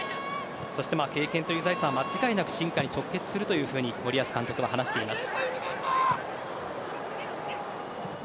経験という財産は間違いなく進化に直結すると森保監督は話しています。